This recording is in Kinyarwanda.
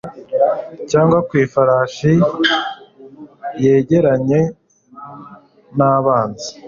cyangwa ku ifarashi, yegeranye nabanzi